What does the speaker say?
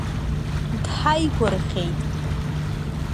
Дҳаигәырӷьеит.